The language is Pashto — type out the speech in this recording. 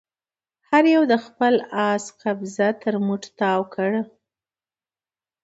هر يوه د خپل آس قيضه تر مټ تاو کړه.